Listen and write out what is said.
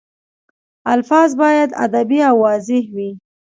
الفاظ باید ادبي او واضح وي.